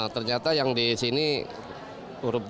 ternyata yang di sini urup